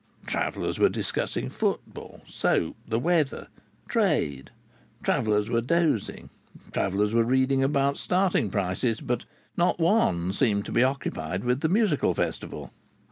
Travellers were discussing football, soap, the weather, rates, trade; travellers were dozing; travellers were reading about starting prices; but not one seemed to be occupied with the Musical Festival.